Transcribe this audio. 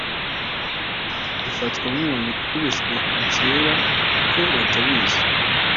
bifatwa nk’inkoni ikubiswe mukeba ko batabizi